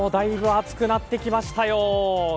だいぶ暑くなってきましたよ。